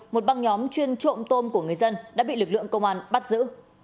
một băng nhóm chuyên trộm tôm của người dân đã bị lực lượng công an bắt giữ